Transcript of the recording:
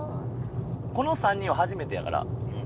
この３人は初めてやから嬉しいね。